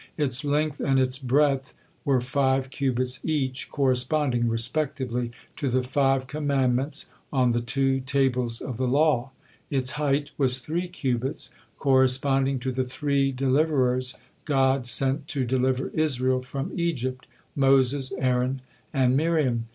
Its length and its breadth were five cubits each, corresponding respectively to the five Commandments on the two tables of the law. Its height was three cubits, corresponding to the three deliverers God sent to deliver Israel from Egypt, Moses, Aaron, and Miriam.